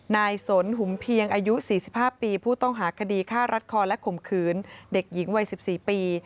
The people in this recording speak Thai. นายสนหุมเพียงอายุ๔๕ปีผู้ต้องหาคดีฆ่ารัดคอและข่มขืนเด็กหญิงวัย๑๔ปี